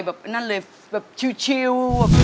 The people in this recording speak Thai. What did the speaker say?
แบบนั่นเลยแบบชิวชิว